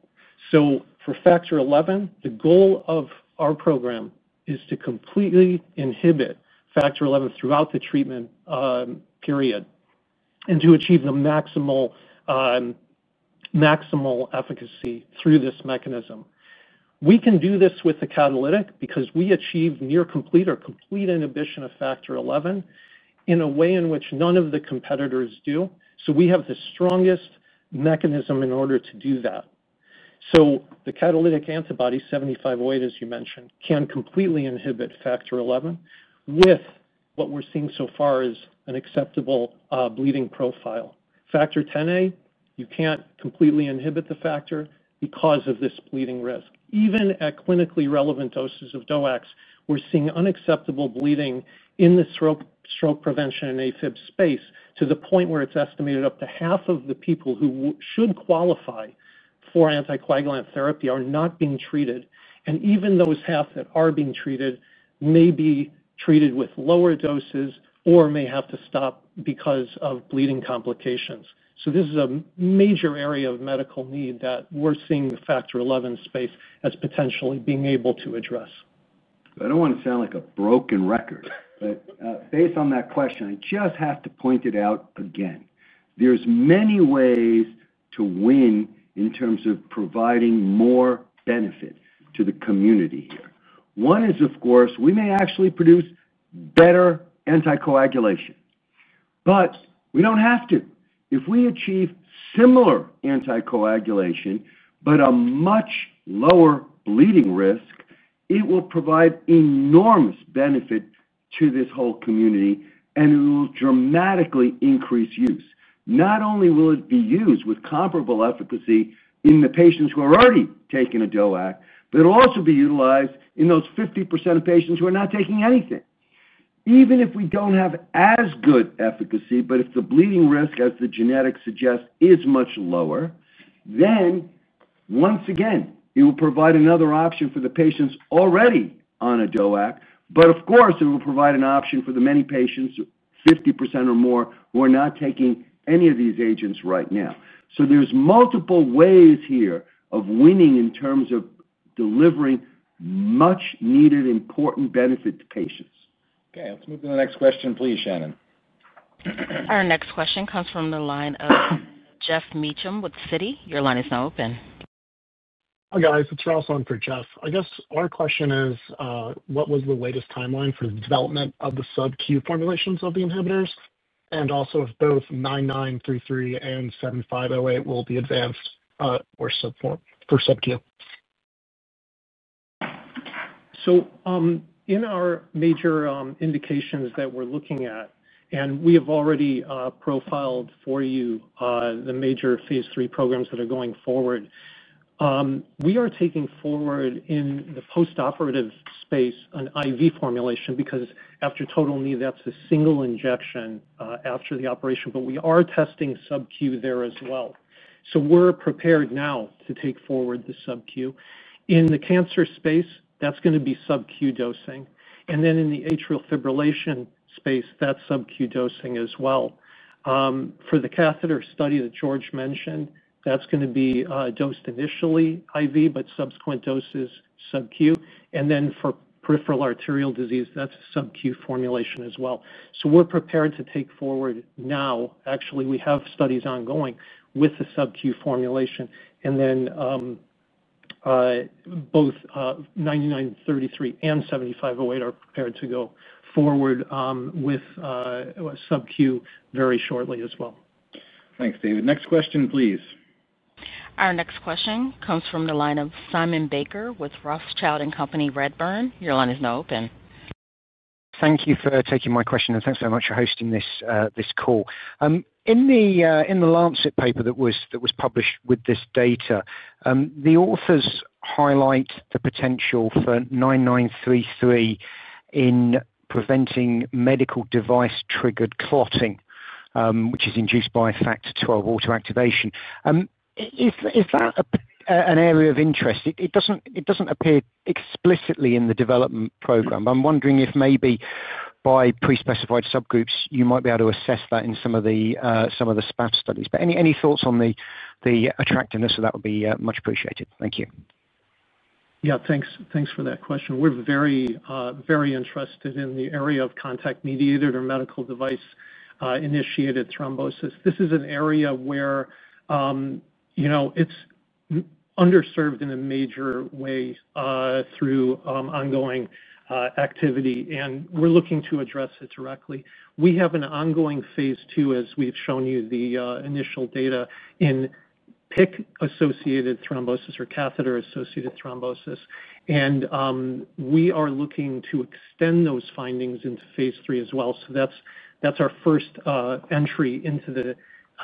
So for Factor XI, the goal of our program is to completely inhibit Factor XI throughout the treatment period and to achieve the maximal efficacy through this mechanism. We can do this with the catalytic because we achieve near complete or complete inhibition of Factor XI in a way in which none of the competitors do. So we have the strongest mechanism in order to do that. So the catalytic antibody, 7508, as you mentioned, can completely inhibit Factor XI with what we're seeing so far as an acceptable bleeding profile. Factor Xa, you can't completely inhibit the factor because of this bleeding risk. Even at clinically relevant doses of DOACs, we're seeing unacceptable bleeding in the stroke prevention and AFib space to the point where it's estimated up to half of the people who should qualify for anticoagulant therapy are not being treated. And even those half that are being treated may be treated with lower doses or may have to stop because of bleeding complications. So this is a major area of medical need that we're seeing the Factor XI space as potentially being able to address. I don't want to sound like a broken record, but based on that question, I just have to point it out again. There's many ways to win in terms of providing more benefit to the community here. One is, of course, we may actually produce better anticoagulation, but we don't have to. If we achieve similar anticoagulation, but a much lower bleeding risk, it will provide enormous benefit to this whole community, and it will dramatically increase use. Not only will it be used with comparable efficacy in the patients who are already taking a DOAC, but it'll also be utilized in those 50% of patients who are not taking anything. Even if we don't have as good efficacy, but if the bleeding risk, as the genetics suggest, is much lower, then once again, it will provide another option for the patients already on a DOAC. But of course, it will provide an option for the many patients, 50% or more, who are not taking any of these agents right now. So there's multiple ways here of winning in terms of delivering much-needed, important benefit to patients. Okay. Let's move to the next question, please, Shannon. Our next question comes from the line of Jeff Meacham with Citi. Your line is now open. Hi guys. It's Ralphs on for Jeff. I guess our question is, what was the latest timeline for the development of the subQ formulations of the inhibitors? And also if both 9933 and 7508 will be advanced or subQ. So in our major indications that we're looking at, and we have already profiled for you the major phase three programs that are going forward, we are taking forward in the post-operative space an IV formulation because after total knee, that's a single injection after the operation, but we are testing subQ there as well. So we're prepared now to take forward the subQ. In the cancer space, that's going to be subQ dosing. And then in the atrial fibrillation space, that's subQ dosing as well. For the catheter study that George mentioned, that's going to be dosed initially IV, but subsequent doses subQ. And then for peripheral arterial disease, that's a subQ formulation as well. So we're prepared to take forward now. Actually, we have studies ongoing with the subQ formulation. And then both 9933 and 7508 are prepared to go forward with subQ very shortly as well. Thanks, David. Next question, please. Our next question comes from the line of Simon Baker with Ralphs Child and Company Redburn. Your line is now open. Thank you for taking my question, and thanks so much for hosting this call. In the Lancet paper that was published with this data, the authors highlight the potential for 9933 in preventing medical device-triggered clotting, which is induced by Factor XII autoactivation. Is that an area of interest? It doesn't appear explicitly in the development program. I'm wondering if maybe by pre-specified subgroups, you might be able to assess that in some of the SPAF studies. But any thoughts on the attractiveness of that would be much appreciated. Thank you. Yeah, thanks for that question. We're very interested in the area of contact-mediated or medical device-initiated thrombosis. This is an area where it's underserved in a major way through ongoing activity, and we're looking to address it directly. We have an ongoing phase two, as we've shown you the initial data, in PICC-associated thrombosis or catheter-associated thrombosis. And we are looking to extend those findings into phase three as well. So that's our first entry into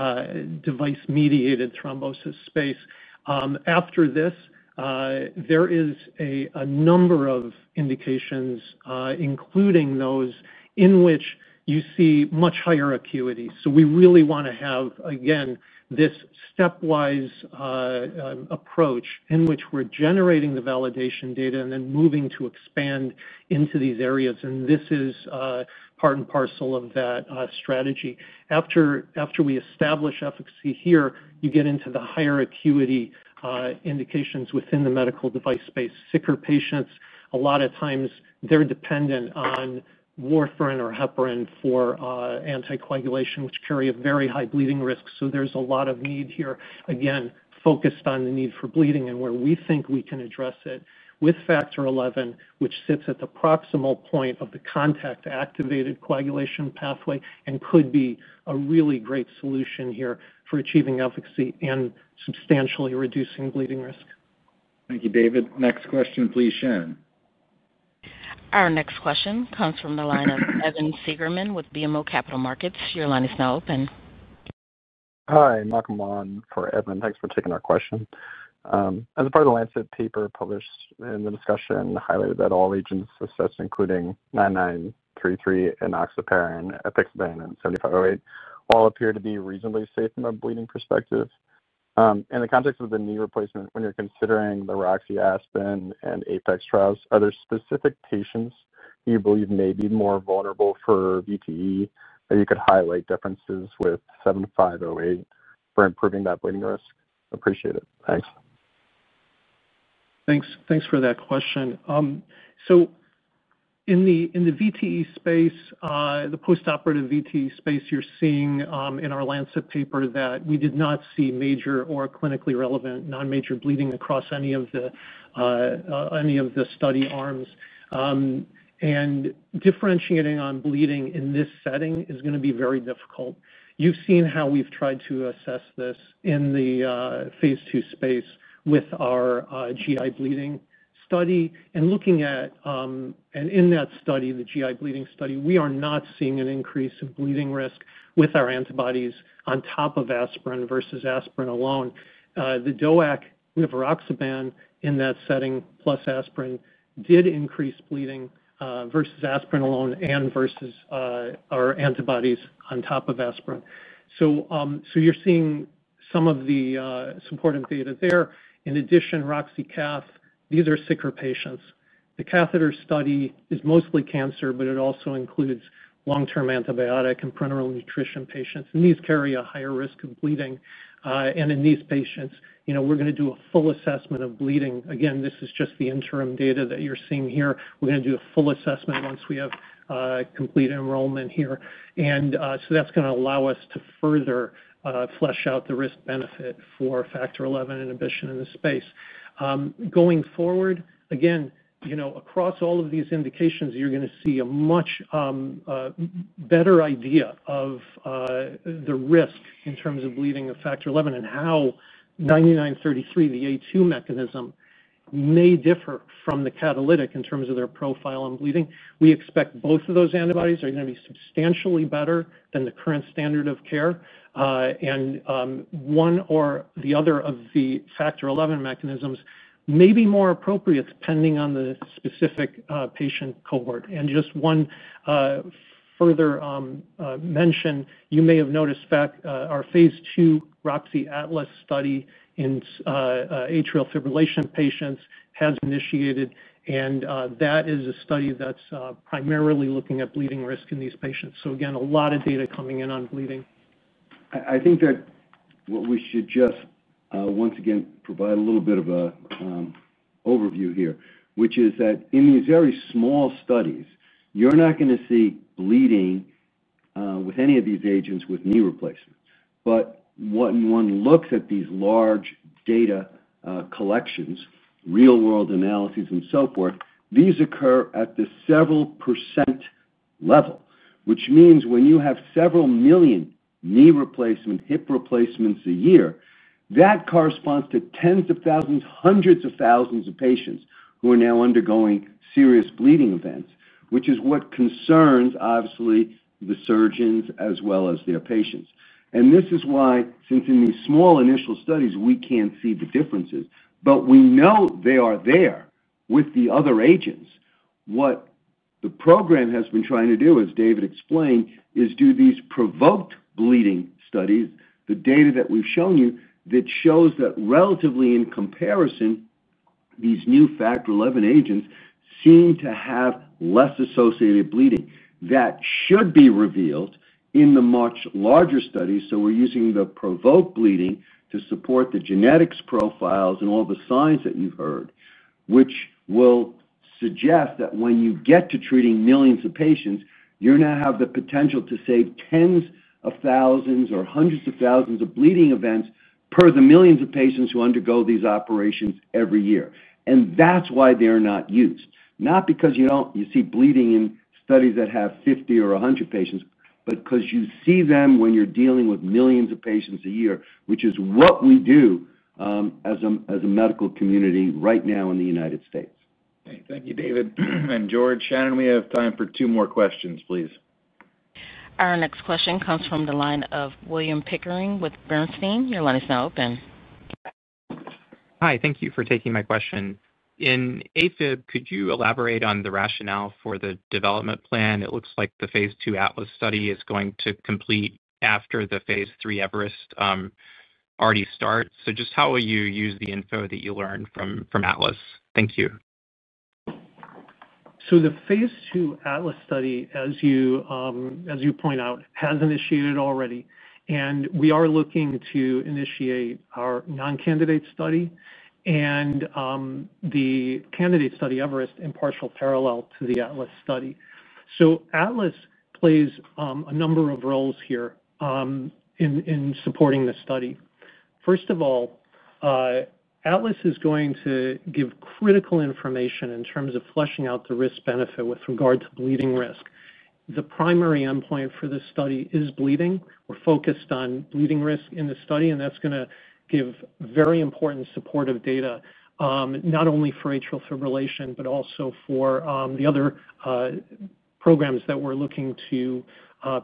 the device-mediated thrombosis space. After this, there is a number of indications, including those in which you see much higher acuity. So we really want to have, again, this stepwise approach in which we're generating the validation data and then moving to expand into these areas. And this is part and parcel of that strategy. After we establish efficacy here, you get into the higher acuity indications within the medical device space. Sicker patients, a lot of times, they're dependent on warfarin or heparin for anticoagulation, which carry a very high bleeding risk. So there's a lot of need here, again, focused on the need for bleeding and where we think we can address it with Factor XI, which sits at the proximal point of the contact-activated coagulation pathway and could be a really great solution here for achieving efficacy and substantially reducing bleeding risk. Thank you, David. Next question, please, Shannon. Our next question comes from the line of Evan Seigerman with BMO Capital Markets. Your line is now open. Hi. Welcome on for Evan. Thanks for taking our question. As part of the Lancet paper published in the discussion, it highlighted that all regions assessed, including 9933 and enoxaparin, apixaban, and 7508, all appear to be reasonably safe from a bleeding perspective. In the context of the knee replacement, when you're considering the roxy aspirin and APEX trials, are there specific patients you believe may be more vulnerable for VTE? Maybe you could highlight differences with 7508 for improving that bleeding risk. Appreciate it. Thanks. Thanks for that question. So in the VTE space, the post-operative VTE space, you're seeing in our Lancet paper that we did not see major or clinically relevant non-major bleeding across any of the study arms. And differentiating on bleeding in this setting is going to be very difficult. You've seen how we've tried to assess this in the phase two space with our GI bleeding study. And looking at, and in that study, the GI bleeding study, we are not seeing an increase in bleeding risk with our antibodies on top of aspirin versus aspirin alone. The DOAC with rivaroxaban in that setting plus aspirin did increase bleeding versus aspirin alone and versus our antibodies on top of aspirin. So you're seeing some of the supporting data there. In addition, roxy-cath, these are sicker patients. The catheter study is mostly cancer, but it also includes long-term antibiotic and prenatal nutrition patients. And these carry a higher risk of bleeding. And in these patients, we're going to do a full assessment of bleeding. Again, this is just the interim data that you're seeing here. We're going to do a full assessment once we have complete enrollment here. And so that's going to allow us to further flesh out the risk-benefit for Factor XI inhibition in this space. Going forward, again, across all of these indications, you're going to see a much better idea of the risk in terms of bleeding of Factor XI and how 9933, the A2 mechanism, may differ from the catalytic in terms of their profile on bleeding. We expect both of those antibodies are going to be substantially better than the current standard of care. And one or the other of the Factor XI mechanisms may be more appropriate depending on the specific patient cohort. And just one further mention, you may have noticed our phase two Roxy Atlas study in atrial fibrillation patients has initiated. And that is a study that's primarily looking at bleeding risk in these patients. So again, a lot of data coming in on bleeding. I think that what we should just once again provide a little bit of an overview here, which is that in these very small studies, you're not going to see bleeding with any of these agents with knee replacement. But when one looks at these large data collections, real-world analyses, and so forth, these occur at the several percent level, which means when you have several million knee replacements, hip replacements a year, that corresponds to tens of thousands, hundreds of thousands of patients who are now undergoing serious bleeding events, which is what concerns, obviously, the surgeons as well as their patients. And this is why, since in these small initial studies, we can't see the differences, but we know they are there with the other agents. What the program has been trying to do, as David explained, is do these provoked bleeding studies, the data that we've shown you that shows that relatively in comparison, these new Factor XI agents seem to have less associated bleeding. That should be revealed in the much larger studies. So we're using the provoked bleeding to support the genetics profiles and all the signs that you've heard, which will suggest that when you get to treating millions of patients, you now have the potential to save tens of thousands or hundreds of thousands of bleeding events per the millions of patients who undergo these operations every year. And that's why they're not used. Not because you see bleeding in studies that have 50 or 100 patients, but because you see them when you're dealing with millions of patients a year, which is what we do as a medical community right now in the United States. Thank you, David. And George, Shannon, we have time for two more questions, please. Our next question comes from the line of William Pickering with Bernstein. Your line is now open. Hi. Thank you for taking my question. In AFib, could you elaborate on the rationale for the development plan? It looks like the phase two Atlas study is going to complete after the phase three Everest already starts. So just how will you use the info that you learned from Atlas? Thank you. So the phase two Atlas study, as you point out, has initiated already. And we are looking to initiate our non-candidate study and the candidate study Everest in partial parallel to the Atlas study. So Atlas plays a number of roles here in supporting the study. First of all, Atlas is going to give critical information in terms of fleshing out the risk-benefit with regard to bleeding risk. The primary endpoint for this study is bleeding. We're focused on bleeding risk in this study, and that's going to give very important supportive data, not only for atrial fibrillation, but also for the other programs that we're looking to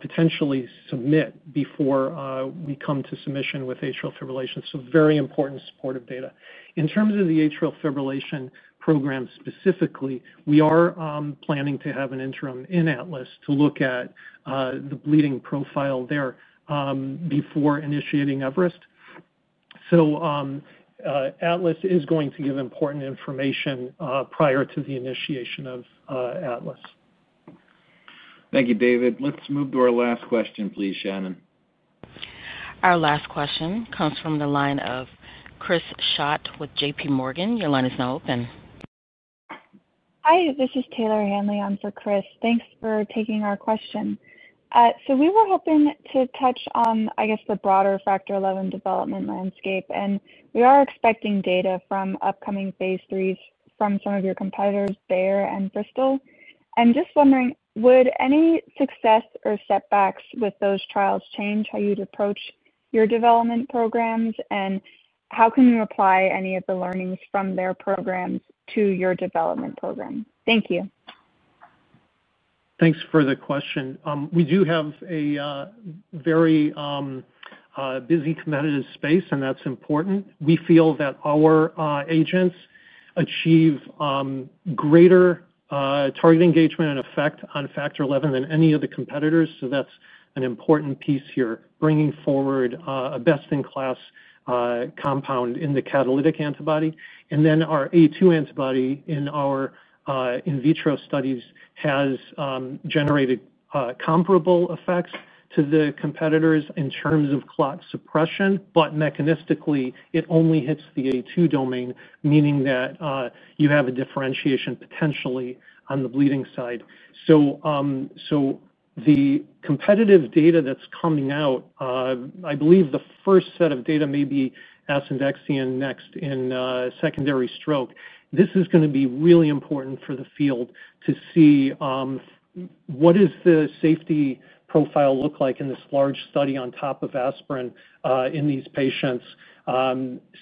potentially submit before we come to submission with atrial fibrillation. So very important supportive data. In terms of the atrial fibrillation program specifically, we are planning to have an interim in Atlas to look at the bleeding profile there before initiating Everest. So Atlas is going to give important information prior to the initiation of Atlas. Thank you, David. Let's move to our last question, please, Shannon. Our last question comes from the line of Chris Schott with JPMorgan. Your line is now open. Hi. This is Taylor Hanley. I'm for Chris. Thanks for taking our question. We were hoping to touch, I guess, the broader Factor XI development landscape. We are expecting data from upcoming phase threes from some of your competitors, Bayer and Bristol. Just wondering, would any success or setbacks with those trials change how you'd approach your development programs? How can we apply any of the learnings from their programs to your development program? Thank you. Thanks for the question. We do have a very busy competitive space, and that's important. We feel that our agents achieve greater target engagement and effect on Factor XI than any of the competitors. That's an important piece here, bringing forward a best-in-class compound in the catalytic antibody. Our A2 antibody in our in vitro studies has generated comparable effects to the competitors in terms of clot suppression, but mechanistically, it only hits the A2 domain, meaning that you have a differentiation potentially on the bleeding side. The competitive data that's coming out, I believe the first set of data may be asundexian, milvexian, and next in secondary stroke. This is going to be really important for the field to see what does the safety profile look like in this large study on top of aspirin in these patients.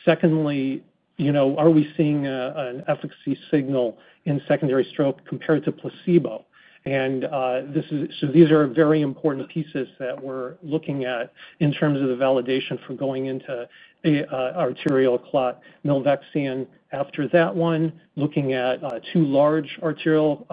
Secondly, are we seeing an efficacy signal in secondary stroke compared to placebo? These are very important pieces that we're looking at in terms of the validation for going into arterial clot. Milvexian after that one, looking at two large arterial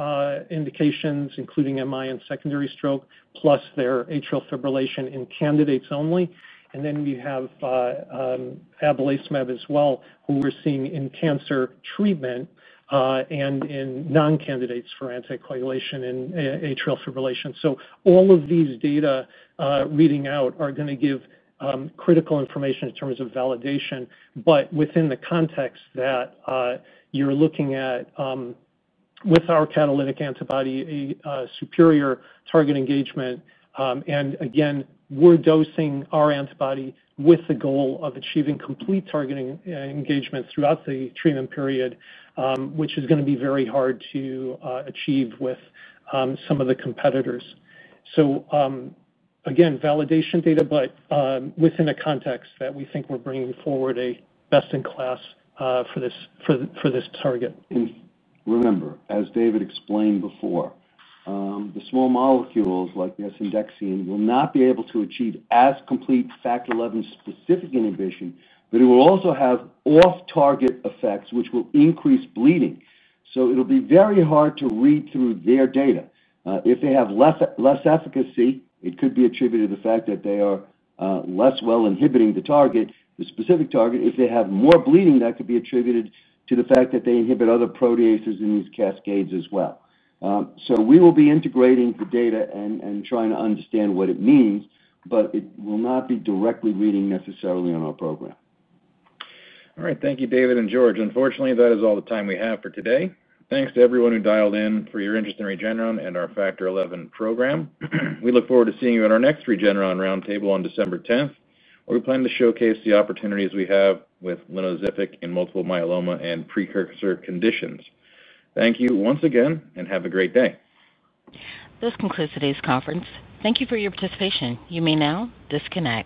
indications, including MI and secondary stroke, plus their atrial fibrillation in candidates only. We have abelacimab as well, who we're seeing in cancer treatment and in non-candidates for anticoagulation in atrial fibrillation. All of these data reading out are going to give critical information in terms of validation, but within the context that you're looking at with our catalytic antibody, superior target engagement. Again, we're dosing our antibody with the goal of achieving complete target engagement throughout the treatment period, which is going to be very hard to achieve with some of the competitors. Again, validation data, but within a context that we think we're bringing forward a best-in-class for this target. Remember, as David explained before, the small molecules like the asundexian, milvexian will not be able to achieve as complete Factor XI specific inhibition, but it will also have off-target effects, which will increase bleeding. It'll be very hard to read through their data. If they have less efficacy, it could be attributed to the fact that they are less well inhibiting the target, the specific target. If they have more bleeding, that could be attributed to the fact that they inhibit other proteases in these cascades as well. We will be integrating the data and trying to understand what it means, but it will not be directly reading necessarily on our program. All right. Thank you, David and George. Unfortunately, that is all the time we have for today. Thanks to everyone who dialed in for your interest in Regeneron and our Factor XI program. We look forward to seeing you at our next Regeneron roundtable on December 10, where we plan to showcase the opportunities we have with linvoseltamab in multiple myeloma and precursor conditions. Thank you once again, and have a great day. This concludes today's conference. Thank you for your participation. You may now disconnect.